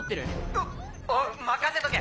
おおう任せとけ！